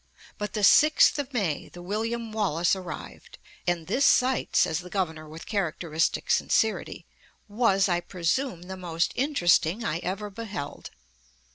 But on the 6th of May the William Wallace arrived, and "this sight," says the Governor with characteristic sincerity, "was, I presume, the most interesting I ever beheld."